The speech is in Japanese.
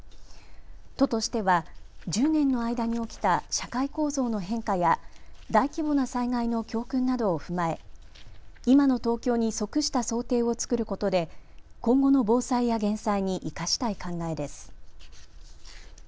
都としては１０年の間に起きた社会構造の変化や大規模な災害の教訓などを踏まえ今の東京に即した想定を作ることで今後の防災や減災に生かしたい考えです。